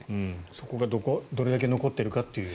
そこがどれだけ残っているかと。